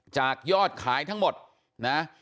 จากยอดขายทั้งหมดนะ